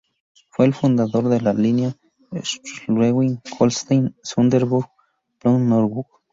Fue el fundador de la línea de Schleswig-Holstein-Sonderburg-Plön-Norburg.